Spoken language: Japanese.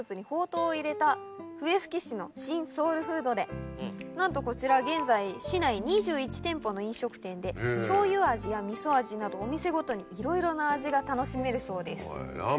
笛吹市の新ソウルフードでなんとこちら現在市内２１店舗の飲食店で醤油味や味噌味などお店ごとにいろいろな味が楽しめるそうです。